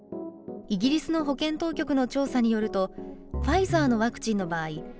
イギリスの保健当局の調査によるとファイザーのワクチンの場合